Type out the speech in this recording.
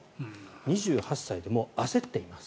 ２８歳で焦っています。